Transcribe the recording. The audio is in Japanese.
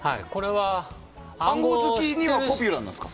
暗号好きにはポピュラーですか？